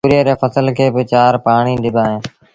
تُوريئي ري ڦسل کي با چآر پآڻيٚ ڏبآ اهيݩ